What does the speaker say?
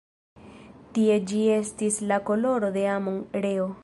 Tie ĝi estis la koloro de Amon-Reo.